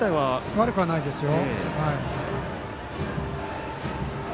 悪くはないですよ。